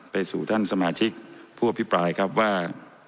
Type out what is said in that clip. ไปสู่ท่านสมาชิกผู้อภิปรายครับว่า